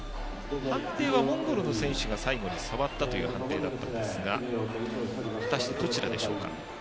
判定はモンゴルの選手が最後に触ったという判定だったんですが果たして、どちらでしょうか。